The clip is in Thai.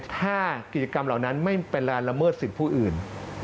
ถ้ากิจกรรมเหล่านั้นไม่เป็นการละเมิดสิทธิ์ผู้อื่น